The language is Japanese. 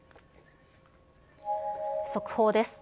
速報です。